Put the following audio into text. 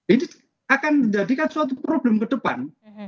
ini akan menjadikan suatu problem ke depan